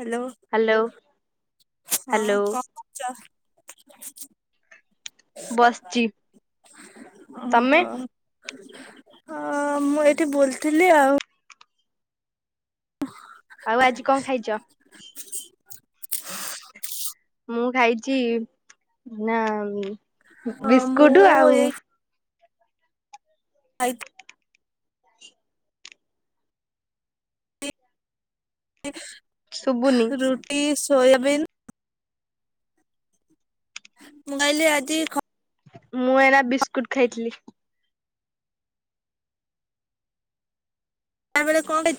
Hello hello ହଁ hello କ ବସିଚି [unintelligible] ତମେ ଓହୋ। ଅ ମୁଁ ଏଇଠି ବଲୁଥିଲି ଆଉ। ଆଉ ଆଜି କଣ ଖାଇଚ? [unintelligible] ମୁଁ ଖାଇଚି ନା ହଁ ମୁଁ ବିସ୍କୁଟ ଏଇ ଆଉ ଆଇ ଶୁବୁନି [unintelligible] ରୁଟି ସୋୟାବନ୍। ମୁଁ କହିଲି ଆଜି ଖ ମୁଁ ଏନା ବିସ୍କୁଟ ଖାଇଥିଲି। [unintelligible] କଣ ଖାଇ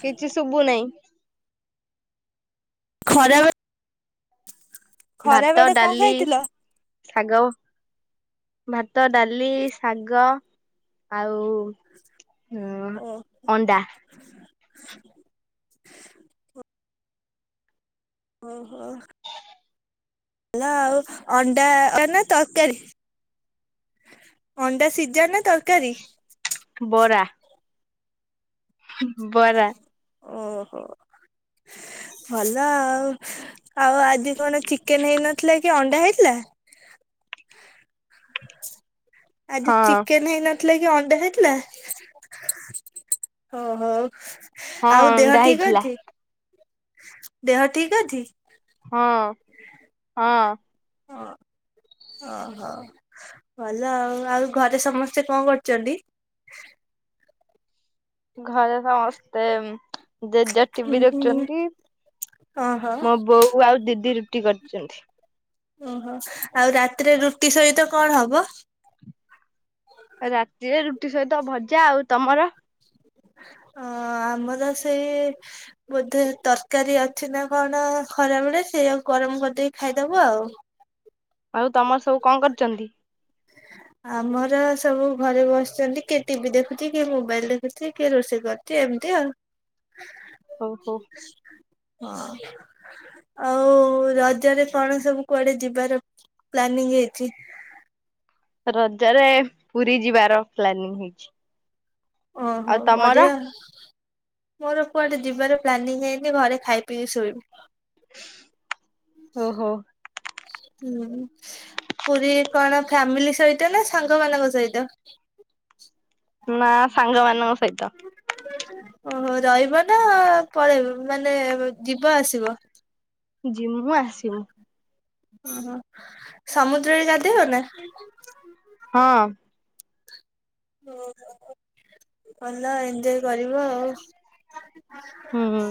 କିଛି ଶୁଭୁ ନାହିଁ। ଖରା ବେ ଭାତ ବେଳେ କଣ ଡାଲି। ଖାଇଥିଲ? ଶାଗ ଭାତ ଡାଲି ଶାଗ ଆଉ। ହୁଁ ଓ ଅଣ୍ଡା। ଓହୋ। ଭାଲ ଆଉ ଅଣ୍ଡା ତ ତରକାରୀ। ଅଣ୍ଡା ସିଝା ନା ତରକାରୀ? ବରା ବରା। ଓହୋ ଭଲ ଆଉ। ଆଉ ଆଜି କଣ ଚିକେନ୍ ହେଇନଥିଲା କି ଅଣ୍ଡା ହେଇଥିଲା? ଆଜି ହଁ ଚିକେନ୍ ହେଇନ ଥିଲା କି ଅଣ୍ଡା ହେଇଥିଲା ଓ ହୋ। ହଁ ଆଉ ଦେହ ଅଣ୍ଡା ଠିକ୍ ହେଇଥିଲା ଅଛି ଦେହ ଠିକ୍ ଅଛି? ହଁ ହଁ। [unintelligible] ଭଲ ଆଉ ଆଉ ଘରେ ସମସ୍ତେ କଣ କରୁଚନ୍ତି? ଘରେ ସମସ୍ତେ ଜେଜ ଟିଭି ଦେଖୁଚନ୍ତି। ଓହୋ ମୋ ବୋଉ ଆଉ ଦିଦି ରୁଟି କରିଚନ୍ତି। ଓହୋ। ଆଉ ରାତିରେ ରୁଟି ସହିତ କଣ ହବ? ରାତିରେ ରୁଟି ସହିତ ଭଜା, ଆଉ ତମର? ଅ ଆମର ସେଇ ବୋଧେ ତରକାରୀ ଅଛି ନା କଣ ଖରାବେଳେ? ସେଇଆକୁ ଗରମ କରିଦେଇକି ଖାଇଦବୁ ଆଉ। ଆଉ ତମର ସବୁ କଣ କରୁଚନ୍ତି? ଆମର ସବୁ ଘରେ ବସଛନ୍ତି। କିଏ ଟିଭି ଦେଖୁଛି? କିଏ ମୋବାଇଲ ଦେଖୁଛି? କିଏ ରୋଷେଇ କରୁଛି? ଏମିତି ଆଉ। ଓହୋ। ହଁ। ଆଉ ରଜରେ, କଣ ସବୁ କୁଆଡେ ଯିବାର ପ୍ଲାନିଂ ହେଇଛି? ରଜରେ, ପୁରୀ ଯିବାର ପ୍ଲାନିଂ ହେଇଚି। ଓହୋ, ବଢିଆ। ମୋର କୁଆଡେ ଯିବାର ପ୍ଲାନିଂ ହେଇନି, ଘରେ ଖାଇ ପିଇକି ଶୋଇବି। ଓହୋ। ହୁଁ। ପୁରୀ କଣ? ଫ୍ୟାମିଲି ସହିତ ନା, ସାଙ୍ଗ ମାନଙ୍କ ସହିତ? ନା, ସାଙ୍ଗ ମାନଙ୍କ ସହିତ। ଓହୋ। ରହିବ ନା ପଳେଇବ, ମାନେ ଯିବ ଆସିବ। ଯିମୁଁ ଆସିବୁ। ଓହୋ। ସମୁଦ୍ରରେ ଗାଧେଇ ବନା? ହଁ। ଭଲ। ଏଞ୍ଜୟ କରିବ ଆଉ। ହଁ ହଁ।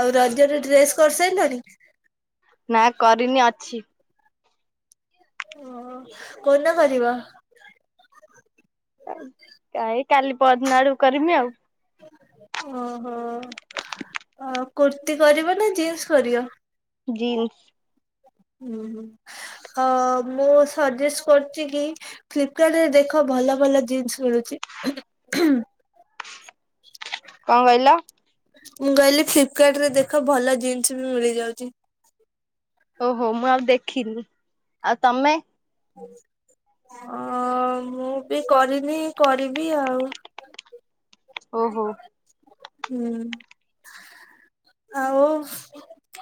ଆଉ ରଜରେ ଡ୍ରେସ କରିସାରିଲଣି? ନା କରିନି, ଅଛି। ଓ। କଉ ଦିନ କରିବ? କାଇଁ, କାଲି ପଅରିଦିନ ଆଡୁ କରିମି ଆଉ। ଓହୋ। ଆ କୁର୍ତ୍ତି କରିବ ନା ଜିନ୍ସ କରିବ? ଜିନ୍ସ। ହୁଁ ହୁଁ, ମୁଁ ସଜେଷ୍ଟ କରୁଚି କି ଫ୍ଲିପକାର୍ଟ ରେ ଦେଖ, ଭଲ ଭଲ ଜିନ୍ସ ମିଳୁଚି। କଣ କହିଲ? ମୁଁ କହିଲି ଫ୍ଲିପକାର୍ଟ ରେ ଦେଖ ଭଲ ଜିନିଷ ବି ମିଳି ଯାଉଚି। ଓହୋ। ମୁଁ ଆଉ ଦେଖିନି। ଆଉ ତମେ? ହ, ମୁଁ ବି କରିନି, କରିବି ଆଉ। ଓହୋ। ହୁଁ, ଆଉ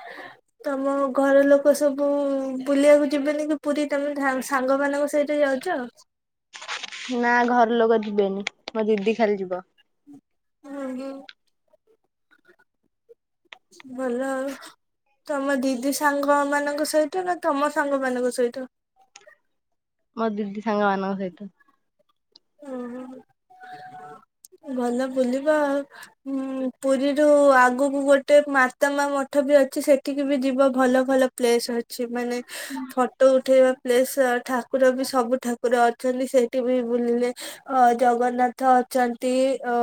[unintelligible] ତମ ଘର ଲୋକ ସବୁ ବୁଲିବାକୁ ଯିବେନି କି ପୁରୀ, ତମେ ସାଙ୍ଗମାନଙ୍କ ସହିତ ଯାଉଚ? ନା ଘର ଲୋକ ଯିବେନି, ମୋ ଦିଦି ଖାଲି ଯିବ। ହୁଁ ହୁଁ। ଭଲ ଆଉ। ତମ ଦିଦି ସାଙ୍ଗ ମାନଙ୍କ ସହିତ, ନା ତମ ସାଙ୍ଗ ମାନଙ୍କ ସହିତ? ମୋ ଦିଦି ସାଙ୍ଗ ମାନଙ୍କ ସହିତ। ଓହୋ [unintelligible] ଭଲ ବୁଲିବା ଆଉ। ହୁଁ ପୁରୀରୁ ଆଗୁକୁ ଗୋଟେ ମାତା ମା ମଠ ବି ଅଛି ସେଠିକି ବି ଯିବ ଭଲ ଭଲ ପ୍ଲେସ୍ ଅଛି ମାନେ ଫଟୋ ଉଠେଇବା ପ୍ଲେସ ଠାକୁର ବି ସବୁ ଠାକୁର ଅଛନ୍ତି। ସେଇଠି ବି ବୁଲିଲେ ଅ ଜଗନ୍ନାଥ ଅଛନ୍ତି। ଅ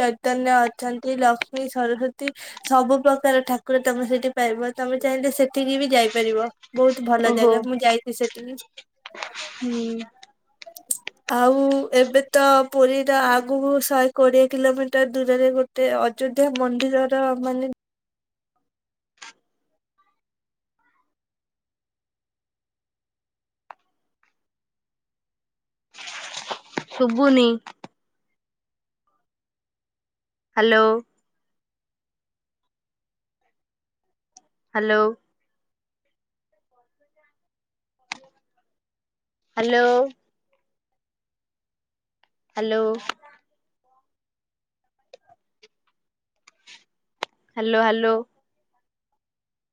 ଚୈତନ୍ୟ ଅଛନ୍ତି ଲ କ୍ଷ୍ମୀ ସରସ୍ଵତୀ ସବୁ ପ୍ରକାର ଠାକୁର ତମେ ସେଠି ପାଇବ ତମେ ଚାହିଁଲେ ସେଠିକି ବି ଯାଇପାରିବ। ବହୁତ ଭଲ ଓହୋ ଜାଗା ମୁଁ ଯାଇଛି ସେଠିକି। ହୁଁ। ଆଉ ଏବେ ତ ପୁରୀର ଆଗୁକୁ ଶହେ କୋଡିଏ କିଲୋମିଟର ଦୂରରେ ଗୋ ଟେ ଅଯୋଧ୍ୟା ମନ୍ଦିରର ମାନେ ଶୁବୁନି? Hello. Hello. Hello. Hello. Hello hello.